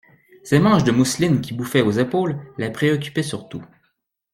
Ses manches de mousseline qui bouffaient aux épaules la préoccupaient surtout.